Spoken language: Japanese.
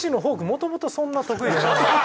もともとそんな得意じゃない。